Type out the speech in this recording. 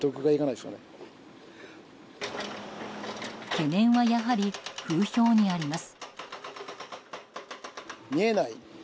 懸念はやはり風評にあります。